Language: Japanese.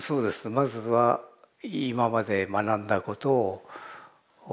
まずは今まで学んだことを忘れる。